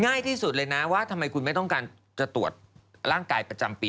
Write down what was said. ง่ายที่สุดเลยนะว่าทำไมคุณไม่ต้องการจะตรวจร่างกายประจำปี